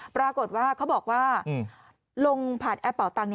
ปรากฏว่าเขาบอกว่าลงผ่านแอปเป่าตังค